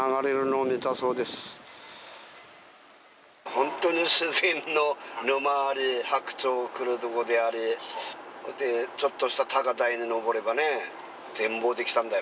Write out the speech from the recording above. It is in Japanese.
ホントに自然の沼あり白鳥来るとこでありちょっとした高台に上ればね全ぼうできたんだよ